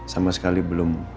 sama sekali belum